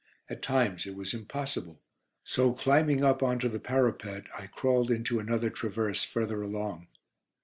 At times it was impossible, so climbing up on to the parapet, I crawled into another traverse further along.